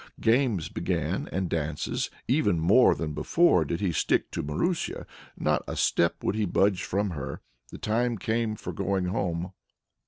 Games began and dances. Even more than before did he stick to Marusia, not a step would he budge from her. The time came for going home.